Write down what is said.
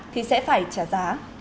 thì sẽ phải trả giá